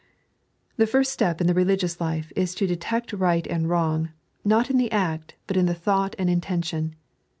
The first step in the religious life is to detect right and wrong, not in the act, but in the thought and intention.